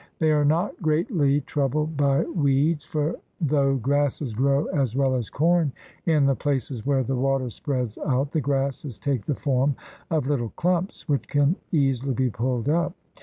They are not greatly troubled by weeds, for, though grasses grow as well as corn in the places where the water spreads out, the grasses take the form of little clumps which can easily be pulled up.